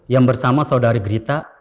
yang bersama saudari gerita